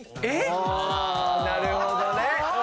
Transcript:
なるほどね。